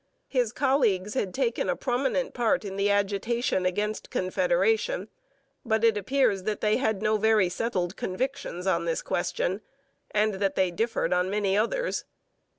His colleagues had taken a prominent part in the agitation against Confederation, but it appears that they had no very settled convictions on this question, and that they differed on many others.